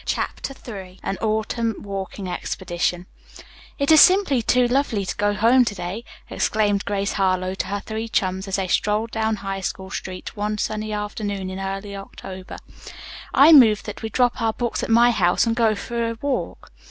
CHAPTER III AN AUTUMN WALKING EXPEDITION "It is simply too lovely to go home to day," exclaimed Grace Harlowe to her three chums as they strolled down High School Street one sunny afternoon in early October. "I move that we drop our books at my house and go for a walk."